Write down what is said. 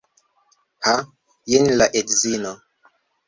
Ha! Jen la edzino.